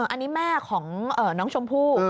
อันนี้แม่ของน้องชมพู่